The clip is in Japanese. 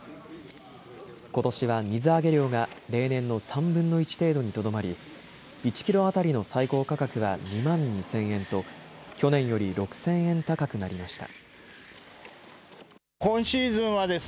ことしは水揚げ量が例年の３分の１程度にとどまり１キロ当たりの最高価格は２万２０００円と去年より６０００円高くなりました。